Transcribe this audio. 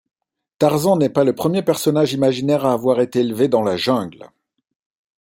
Tarzan n'est pas le premier personnage imaginaire à avoir été élevé dans la jungle.